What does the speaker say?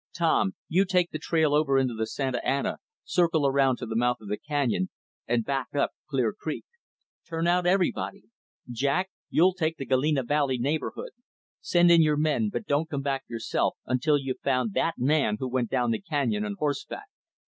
Tom, you take the trail over into the Santa Ana, circle around to the mouth of the canyon, and back up Clear Creek. Turn out everybody. Jack, you'll take the Galena Valley neighborhood. Send in your men but don't come back yourself until you've found that man who went down the canyon on horseback."